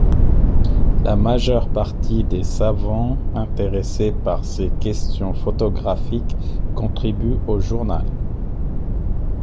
La majeure partie des savants intéressés par ces questions photographiques contribuent au journal.